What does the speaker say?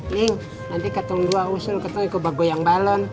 ling nanti ketung dua usul ketung ikut bago yang balon